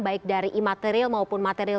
baik dari imaterial maupun material